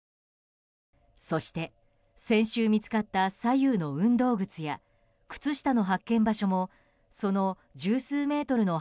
そして、先週見つかった左右の運動靴や靴下の発見場所もその十数メートルの